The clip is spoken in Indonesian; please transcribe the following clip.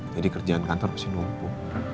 jadi kerjaan kantor pasti nunggu